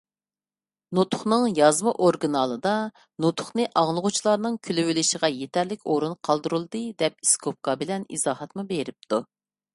نۇتۇقنىڭ يازما ئورىگىنالىدا «نۇتۇقنى ئاڭلىغۇچىلارنىڭ كۈلۈۋېلىشىغا يېتەرلىك ئورۇن قالدۇرۇلدى» دەپ ئىسكوپكا بىلەن ئىزاھاتمۇ بېرىپتۇ.